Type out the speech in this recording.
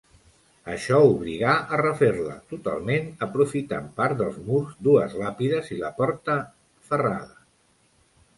Això obligà a refer-la totalment aprofitant part dels murs, dues làpides i la porta ferrada.